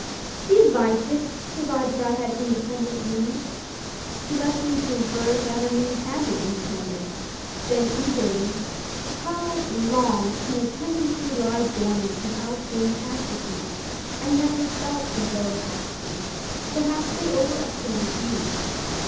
"He advised it — ^provided I had inde pendent means." She left me to infer that her means had been independent; then, eagerly, "How long can a tendency lie dormant with out being atrophied ? Fve ntvcr felt as though it atrophied. Perhaps they over estimate youth.